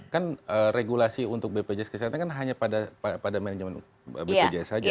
kan regulasi untuk bpjs kesehatan kan hanya pada manajemen bpjs saja